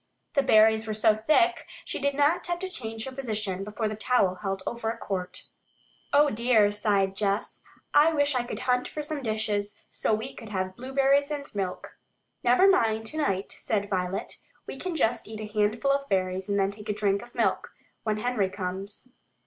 The berries were so thick she did not have to change her position before the towel held over a quart. "Oh, dear," sighed Jess. "I wish I could hunt for some dishes, so we could have blueberries and milk." "Never mind tonight," said Violet. "We can just eat a handful of berries and then take a drink of milk, when Henry comes."